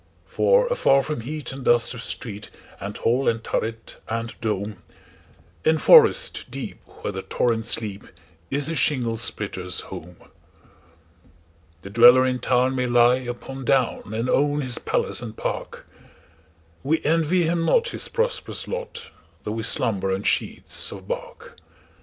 For afar from heat and dust of street, And hall and turret, and dome, In forest deep, where the torrents leap, Is the shingle splitter's home. The dweller in town may lie upon down, And own his palace and park:We envy him not his prosperous lot, Though we slumber on sheets of bark.